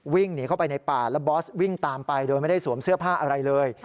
วิ่งหนีเข้าไปในป่าแล้วบอสวิ่งตามไปโดยไม่ได้สวมเสื้อผ้าอะไรเลย